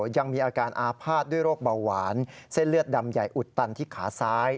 ยังมีอาการอาภาษณ์ด้วยโรคเบาหวานเส้นเลือดดำใหญ่อุดตันที่ขาซ้าย